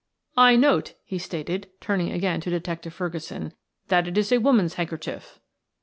"I note," he stated, turning again to Detective Ferguson, "that it is a woman's handkerchief."